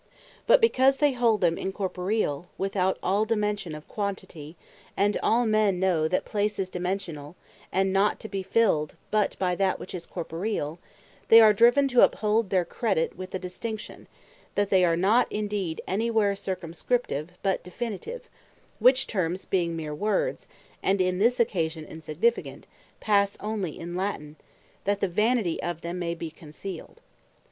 But because they hold them Incorporeall, without all dimension of Quantity, and all men know that Place is Dimension, and not to be filled, but by that which is Corporeall; they are driven to uphold their credit with a distinction, that they are not indeed any where Circumscriptive, but Definitive: Which Terms being meer Words, and in this occasion insignificant, passe onely in Latine, that the vanity of them may bee concealed.